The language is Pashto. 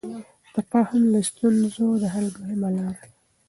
تفاهم د ستونزو د حل مهمه لار ده.